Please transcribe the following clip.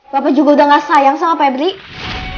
bapak juga udah gak sayang sama febri